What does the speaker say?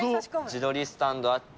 自撮りスタンドあって。